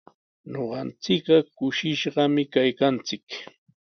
Ñuqanchik kushishqami kaykanchik.